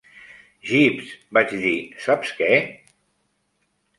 "Jeeves", vaig dir "saps què?